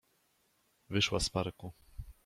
Wyszła z parku.